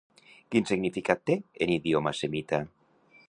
Quin significat té en idioma semita?